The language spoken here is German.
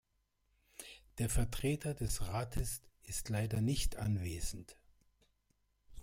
Der Vertreter des Rates ist leider nicht anwesend.